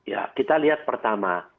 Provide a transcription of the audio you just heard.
ya kita lihat pertama